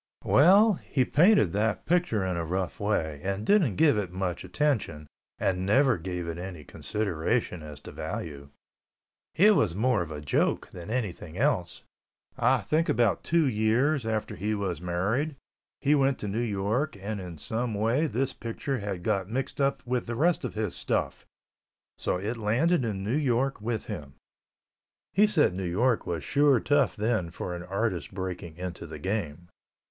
Well, he painted that picture in a rough way and didn't give it much attention and never gave it any consideration as to value. It was more of a joke than anything else. I think about two years after he was married, he went to New York, and in some way this picture had got mixed up with the rest of his stuff, so it landed in New York with him. He said New York was sure tough then for an artist breaking into the game.